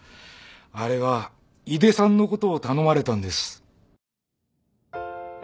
あれは井手さんのことを頼まれたんです